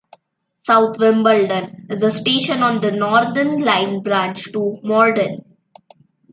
South Wimbledon is a station on the Northern line branch to Morden.